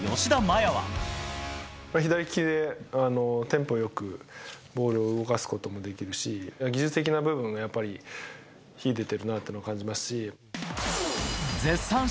やっぱり左利きでテンポよくボールを動かすこともできるし、技術的な部分がやっぱり秀でてるなっていうのは感じますし。